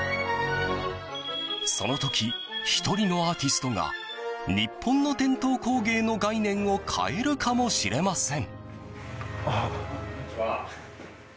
その時、１人のアーティストが日本の伝統工芸の概念を変えるかもしれません。